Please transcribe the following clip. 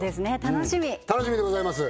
楽しみ楽しみでございます